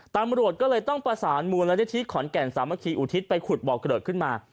ตำรวจก็เลยต้องประสานมูลนิธิขอนแก่นสามัคคีอุทิศไปขุดบ่อเกลือกขึ้นมา